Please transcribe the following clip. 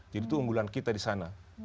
itu unggulan kita di sana